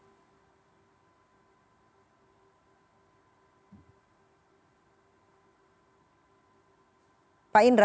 mungkin pak indra